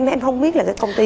em không biết là cái công ty